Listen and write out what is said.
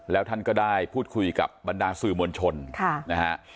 แล้วท่านก็ได้พูดคุยกับบรรดาสื่อมวลชนนะฮะ